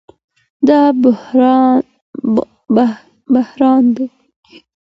دا بحران دئ